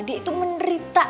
dia itu menderita